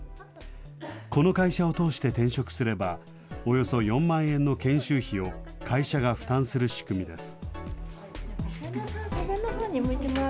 この会社を通して転職すれば、およそ４万円の研修費を会社が負担する仕組みです。